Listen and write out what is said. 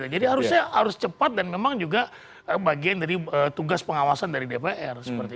jadi harusnya harus cepat dan memang juga bagian dari tugas pengawasan dari dpr